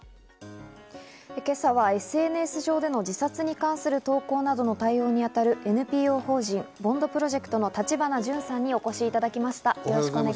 今朝はＳＮＳ上での自殺に関する投稿などの対応にあたる、ＮＰＯ法人ＢＯＮＤプロジェクトの橘ジュンさんにお越しいただきました。